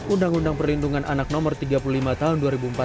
undang undang perlindungan anak nomor tiga puluh lima tahun dua ribu empat belas